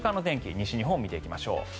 西日本を見ていきましょう。